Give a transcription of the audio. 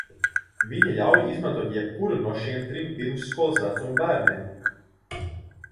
Viņa ļauj izmantot jebkuru no šiem trim pirmsskolas vecuma bērniem.